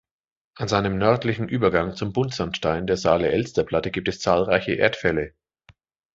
An seinem nördlichen Übergang zum Buntsandstein der Saale-Elster-Platte gibt es zahlreiche Erdfälle.